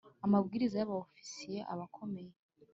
amabwiriza ya Ba ofisiye aba akomeye.